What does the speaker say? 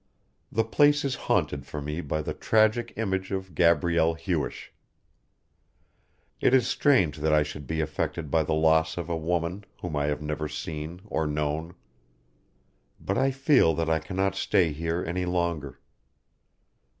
The place is haunted for me by the tragic image of Gabrielle Hewish. It is strange that I should be affected by the loss of a woman whom I have never seen or known. But I feel that I cannot stay here any longer.